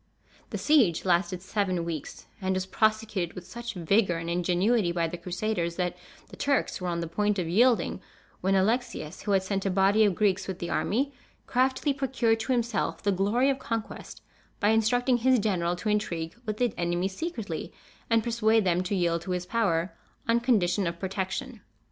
The siege lasted seven weeks; and was prosecuted with such vigor and ingenuity by the Crusaders that the Turks were on the point of yielding, when Alexius, who had sent a body of Greeks with the army, craftily procured to himself the glory of conquest by instructing his general to intrigue with the enemy secretly, and persuade them to yield to his power, on condition of protection.